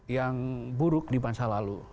yang buruk di masa lalu